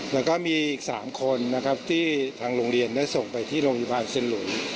แล้วก็มีอีก๓คนนะครับที่ทางโรงเรียนได้ส่งไปที่โรงพยาบาลเซ็นหลุย